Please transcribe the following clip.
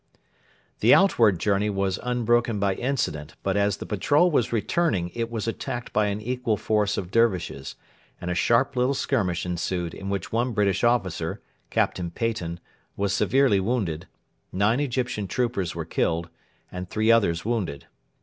The outward journey was unbroken by incident; but as the patrol was returning it was attacked by an equal force of Dervishes, and a sharp little skirmish ensued in which one British officer Captain Peyton was severely wounded, nine Egyptian troopers were killed, and three others wounded.